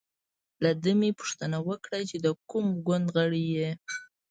له ده مې پوښتنه وکړه چې د کوم ګوند غړی یې.